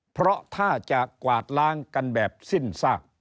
เพราะถ้าจะกวาดล้างกันแบบสิ้นซาก